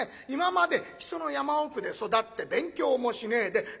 今まで木曽の山奥で育って勉強もしねえで